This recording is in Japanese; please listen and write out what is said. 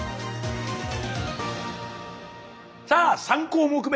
さあ３項目め！